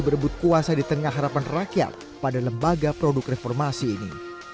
berebut kuasa di tengah harapan rakyat pada lembaga produk reformasi ini